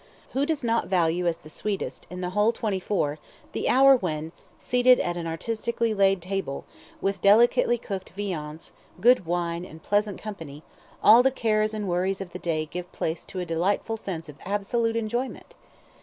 Who does not value as the sweetest in the whole twenty four the hour when, seated at an artistically laid table, with delicately cooked viands, good wines, and pleasant company, all the cares and worries of the day give place to a delightful sense of absolute enjoyment?